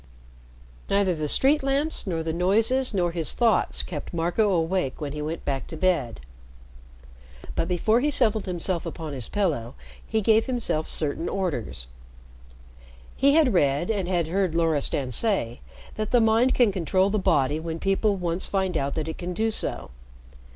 Neither the street lamps, nor the noises, nor his thoughts kept Marco awake when he went back to bed. But before he settled himself upon his pillow he gave himself certain orders. He had both read, and heard Loristan say, that the mind can control the body when people once find out that it can do so.